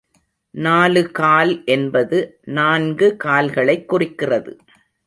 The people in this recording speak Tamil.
நாலுகால் என்பது நான்கு கால்களைக் குறிக்கிறது.